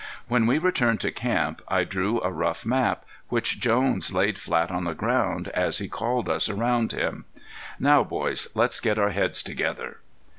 When we returned to camp I drew a rough map, which Jones laid flat on the ground as he called us around him. "Now, boys, let's get our heads together."